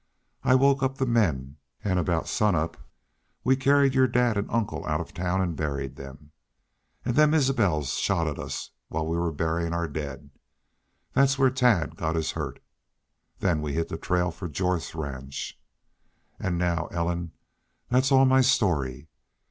I woke up the men, an' aboot sunup we carried your dad an' uncle out of town an' buried them.... An' them Isbels shot at us while we were buryin' our daid! That's where Tad got his hurt.... Then we hit the trail for Jorth's ranch.... An now, Ellen, that's all my story.